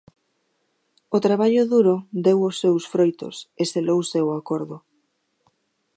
O traballo duro deu os seus froitos e selouse o acordo.